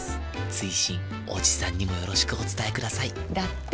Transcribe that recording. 追伸おじさんにもよろしくお伝えくださいだって。